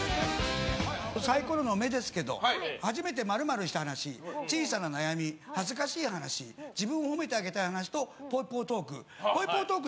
サイコロの目ですけど初めて○○した話小さな悩み、恥ずかしい話自分を褒めてあげたい話とぽいぽいトーク。